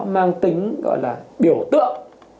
mang tính gọi là biểu tượng